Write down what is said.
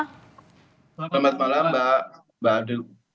selamat malam mbak ade